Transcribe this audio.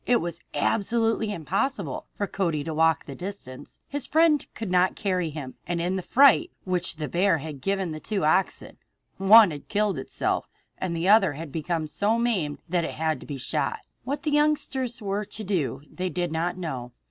It was absolutely impossible for Cody to walk that distance. His friend could not carry him, and in the fright which the bear had given the two oxen one had killed itself, and the other had become so maimed that it had to be shot. What the youngsters were to do they did not know.